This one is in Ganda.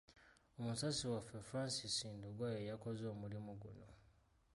Omusasi waffe Francis Ndugwa yeyakoze omulimu guno.